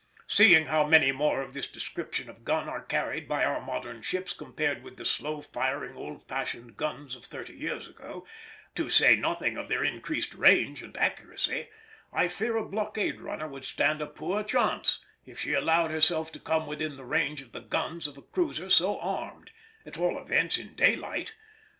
Seeing how many more of this description of gun are carried by our modern ships compared with the slow firing old fashioned guns of thirty years ago, to say nothing of their increased range and accuracy, I fear a blockade runner would stand a poor chance if she allowed herself to come within the range of the guns of a cruiser so armed, at all events in daylight.